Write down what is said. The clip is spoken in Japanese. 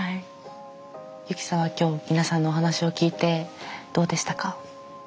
ユキさんは今日皆さんのお話を聞いてどうでしたか？